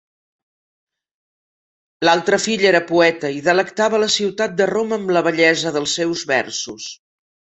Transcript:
L'altre fill era poeta i delectava la ciutat de Roma amb la bellesa dels seus versos.